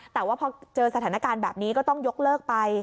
แต่ว่าพอเจอสถานการณ์แบบนี้ก็ต้องยกเลิกไป